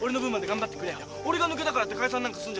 俺が抜けたからって解散なんかすんじゃねえぞ。